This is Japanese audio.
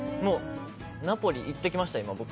ナポリ行ってきました、僕。